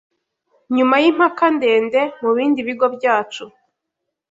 Nyuma y’impaka ndende, mu bindi bigo byacu